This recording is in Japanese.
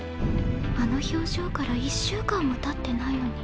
あの表情から１週間もたってないのに。